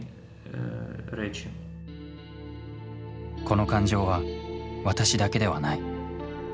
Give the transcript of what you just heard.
この感情は私だけではない。